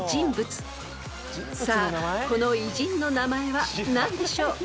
［さあこの偉人の名前は何でしょう？］